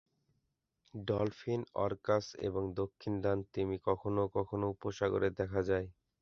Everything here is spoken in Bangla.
ডলফিন, অর্কাস এবং দক্ষিণ ডান তিমি কখনও কখনও উপসাগরে দেখা যায়।